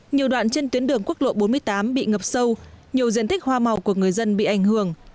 nhiều đoạn trên tuyến đường quốc lộ bốn mươi tám bị ngập sâu nhiều diện tích hoa màu của người dân bị ảnh hưởng